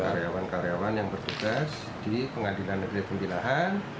karyawan karyawan yang bertugas di pengadilan negeri pembilahan